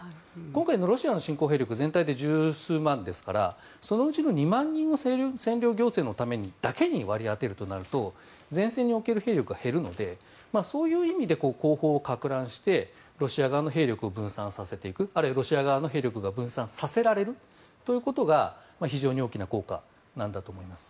今回のロシアの侵攻兵力全体で１０数万ですからそのうちの２万人を占領行政のためだけに割り当てるとなると前線における兵力は減るのでそういう意味で後方をかく乱してロシア側の兵力を分散させていくあるいはロシア側の兵力が分散させられるということが非常に大きな効果なんだと思います。